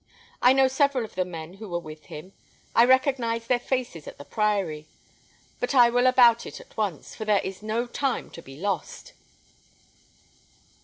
I know several of the men who were with him. I recognised their faces at the priory; but I will about it at once, for there is no time to be lost."